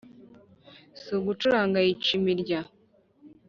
Si ugucuranga ayica imirya